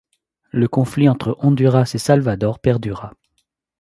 Le conflit entre Honduras et Salvador perdura.